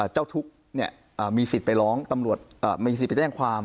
เจ้าทุกข์มีสิทธิ์ไปร้องตำรวจไม่มีสิทธิ์ไปแจ้งความ